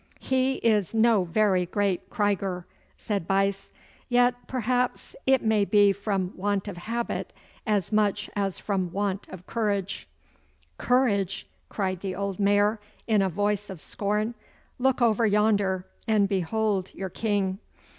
'He is no very great Krieger,' said Buyse. 'Yet perhaps it may be from want of habit as much as from want of courage.' 'Courage!' cried the old Mayor, in a voice of scorn. 'Look over yonder and behold your King.